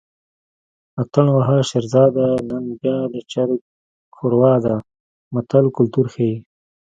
اتڼ وهه شیرداده نن بیا د چرګ ښوروا ده متل کولتور ښيي